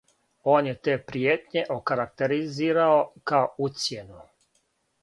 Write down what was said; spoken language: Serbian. "Он је те пријетње окарактеризирао као "уцјену"."